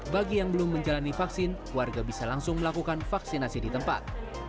bagi yang belum menjalani vaksin warga bisa langsung melakukan vaksinasi di tempat